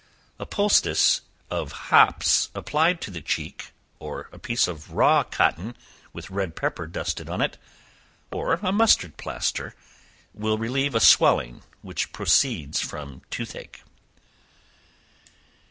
A poultice of hops applied to the cheek, or a piece of raw cotton with red pepper dusted on it, or a mustard plaster, will relieve a swelling which proceeds from tooth ache.